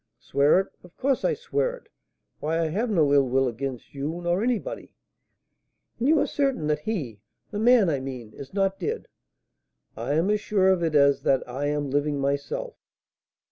"Swear it? Of course I swear it. Why, I have no ill will against you nor anybody." "And you are certain that he (the man, I mean) is not dead?" "I am as sure of it as that I am living myself."